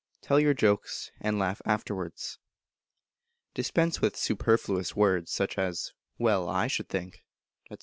Tell your jokes, and laugh afterwards. Dispense with superfluous words such as, "Well, I should think," etc.